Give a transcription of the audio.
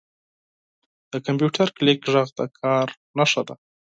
• د کمپیوټر کلیک ږغ د کار نښه ده.